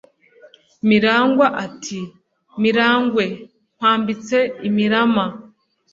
mirangwa ati: “miramagwe nkwambitse imirama!”